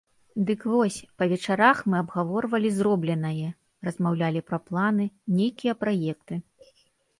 Дык вось, па вечарах мы абгаворвалі зробленае, размаўлялі пра планы, нейкія праекты.